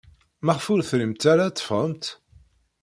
Maɣef ur trimt ara ad teffɣemt?